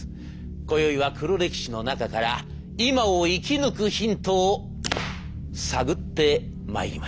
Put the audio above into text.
こよいは黒歴史の中から今を生き抜くヒントを探ってまいりましょう。